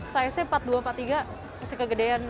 size nya empat puluh dua x empat puluh tiga masih kegedean dong